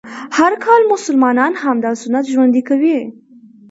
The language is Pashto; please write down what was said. هر کال مسلمانان همدا سنت ژوندی کوي